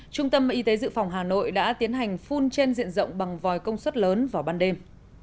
trung tâm y tế dự phòng hà nội đã tiến hành phun trên diện rộng bằng vòi công suất lớn vào ban đêm